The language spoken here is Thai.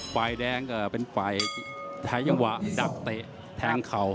ฝ่ายแดงก็เป็นฝ่ายใช้จังหวะดักเตะแทงเข่า